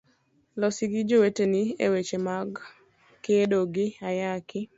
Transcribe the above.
Losi gi joweteni eweche mag kedo gi ayaki.